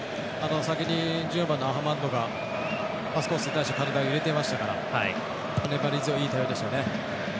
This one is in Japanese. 先に１０番のアハマッドがパスコースに対して体を入れていましたから粘り強い、いい対応でしたね。